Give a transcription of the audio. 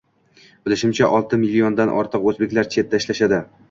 Bilishimcha, olti milliondan ortiq oʻzbeklar chetda ishlashadi